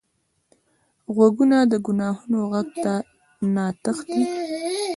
غوږونه د ګناهونو غږ نه تښتي